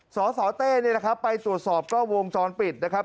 สสเต้เนี่ยนะครับไปตรวจสอบกล้องวงจรปิดนะครับ